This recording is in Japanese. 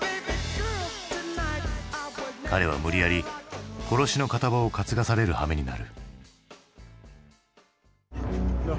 彼は無理やり殺しの片棒を担がされるはめになる。